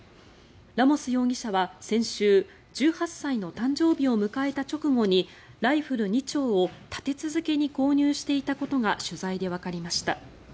ラモス容疑者は先週１８歳の誕生日を迎えた直後にライフル２丁を立て続けに購入していたことが取材でわかりました。